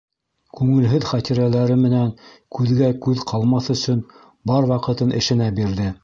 Күңелһеҙ хәтирәләре менән күҙгә- күҙ ҡалмаҫ өсөн, бар ваҡытын эшенә бирҙе.